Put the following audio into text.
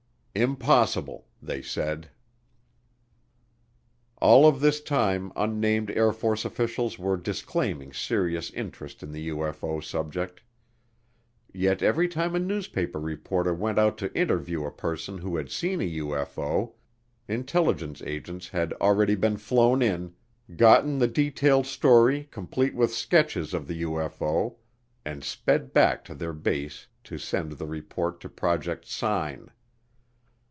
"Impossible," they said. All of this time unnamed Air Force officials were disclaiming serious interest in the UFO subject. Yet every time a newspaper reporter went out to interview a person who had seen a UFO, intelligence agents had already been flown in, gotten the detailed story complete with sketches of the UFO, and sped back to their base to send the report to Project Sign.